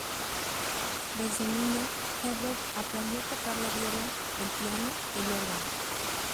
Desde niño, Herbert aprendió a tocar la viola, el piano y el órgano.